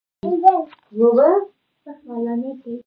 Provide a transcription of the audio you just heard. سفرونه باید هدفمند وي